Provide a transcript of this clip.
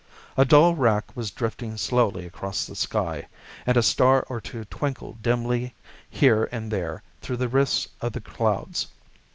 A dull wrack was drifting slowly across the sky, and a star or two twinkled dimly here and there through the rifts of the clouds.